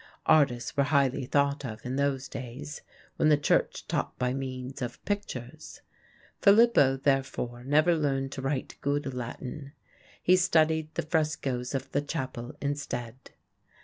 Artists were highly thought of in those days, when the church taught by means of pictures. Filippo, therefore, never learned to write good Latin. He studied the frescos of the chapel instead.